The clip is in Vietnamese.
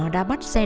để buồn em